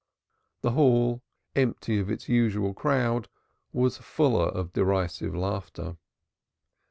The hall, empty of its usual crowd, was fuller of derisive laughter.